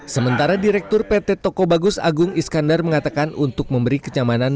sementara direktur pt toko bagus agung iskandar mengatakan untuk memberi kenyamanan